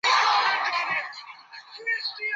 কিভাবে সম্ভব?